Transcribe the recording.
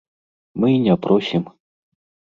Мы і не просім.